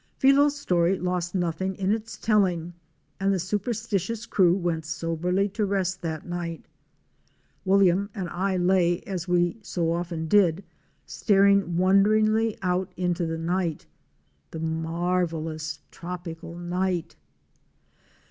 Filo's story lost nothing in his telling and the superstitious crew went very soberly to rest that night. W—— and I lay, as we so often did, staring wonderingly out into the night, — the marvellous tropical night.